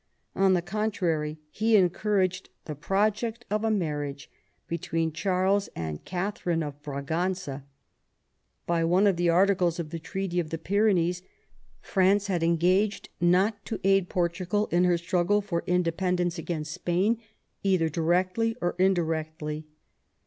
On the contrary, he encouraged the project of a marriage between Charles and Katharine of Braganza. By one of the articles of the Treaty of the Pyrenees, France had engaged not to aid Portugal in her struggle for independence against Spain, either directly or indirectly.